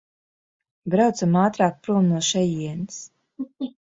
Braucam ātrāk prom no šejienes!